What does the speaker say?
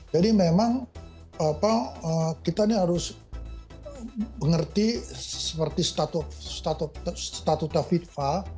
jadi memang kita harus mengerti seperti statuta fitfa